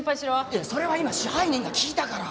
いやそれは今支配人が聞いたから。